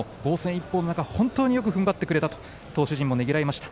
一方の中ふんばってくれたと投手陣も、ねぎらいました。